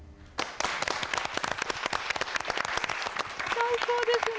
最高ですね。